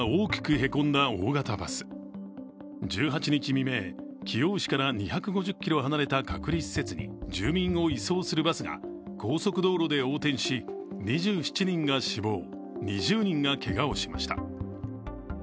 未明、貴陽市から２５０ｋｍ離れた隔離施設に住民を移送するバスが高速道路で横転し、２７人が死亡、２０人がけがをしました。